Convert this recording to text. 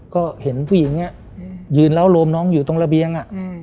ก็เห็นผู้หญิงยืนเล่าโรมน้องอยู่ตรงระเบียง